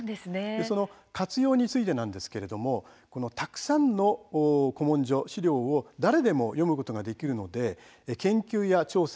その活用についてなんですがたくさんの古文書、史料を誰でも読むことができるので研究や調査